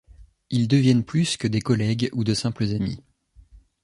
Ils deviennent plus que des collègues ou de simples amis.